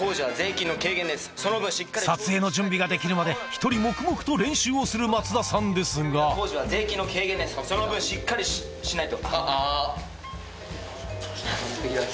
撮影の準備ができるまで一人黙々と練習をする松田さんですが税金の軽減ですその分しっかりししないと。